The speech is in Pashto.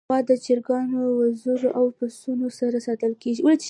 غوا د چرګانو، وزو، او پسونو سره ساتل کېږي.